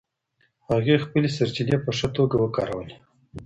هغې خپلې سرچینې په ښه توګه وکارولې.